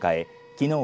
きのう